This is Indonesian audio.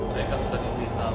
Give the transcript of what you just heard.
mereka sudah diberitahu